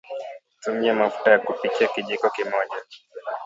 tumia mafuta ya kupikia kijiko kimoja